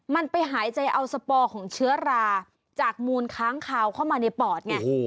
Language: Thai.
มันไปหายใจเอาสปอร์ของเชื้อราจากมูลค้างคาวเข้ามาในปอดไง